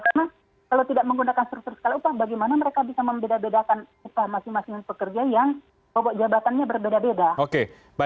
karena kalau tidak menggunakan struktur skala upah bagaimana mereka bisa membeda bedakan upah masing masing pekerja yang bobot jabatannya berbeda beda